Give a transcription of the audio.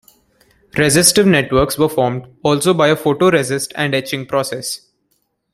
Resistive networks were formed, also by a photo resist and etching process.